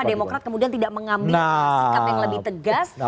demokrat kemudian tidak mengambil sikap yang lebih tegas